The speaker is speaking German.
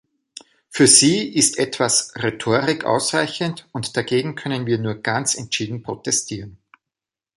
Für sie ist etwas Rhetorik ausreichend, und dagegen können wir nur ganz entschieden protestieren.